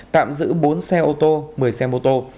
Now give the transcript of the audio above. tạm giữ bốn xe ô tô một mươi xe mô tô